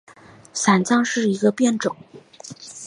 伞花獐牙菜为龙胆科獐牙菜属下的一个变种。